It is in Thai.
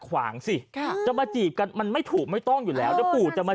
ขวางสิค่ะจะมาจีบกันมันไม่ถูกไม่ต้องอยู่แล้วเดี๋ยวปู่จะมา